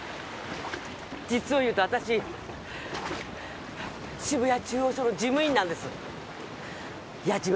実をいうと私渋谷中央署の事務員なんです矢島